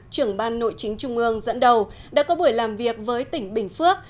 trưởng ban nội chính trung ương dẫn đầu đã có buổi làm việc với tỉnh bình phước